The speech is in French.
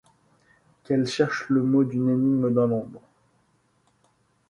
Qu'elle cherche le mot d'une énigme dans l'ombre ;